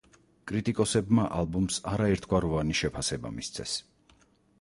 კრიტიკოსებმა ალბომს არაერთგვაროვანი შეფასება მისცეს.